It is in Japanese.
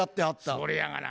それやがな。